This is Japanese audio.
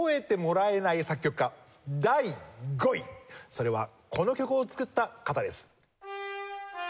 それはこの曲を作った方です。